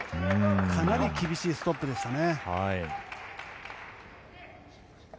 かなり厳しいストップでしたね。